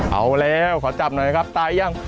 เอาแล้วขอจับหน่อยครับตายยัง